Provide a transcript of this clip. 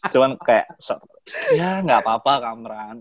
cuma kayak ya gak apa apa ke amran